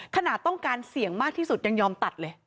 ขนาดต้องการเสี่ยงมากที่สุดยังยอมตัดเลย